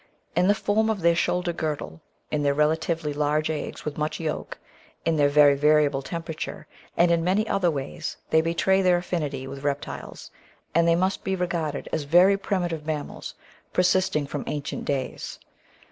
In the form of their shoulder girdle, in their relatively large eggs with much yolk, in their very variable temperature, and in many other ways they betray their affinity with reptiles, and they must be regarded as very primitive mammals persisting from ancient days.